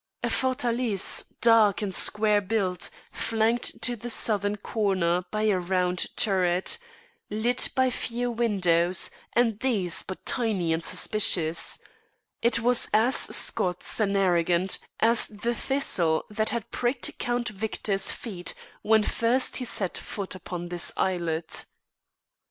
A fortalice dark and square built, flanked to the southern corner by a round turret, lit by few windows, and these but tiny and suspicious, it was as Scots and arrogant as the thistle that had pricked Count Victor's feet when first he set foot upon the islet.